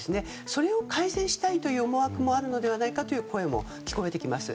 それを改善したいという思惑もあるのではないかという声も聞こえています。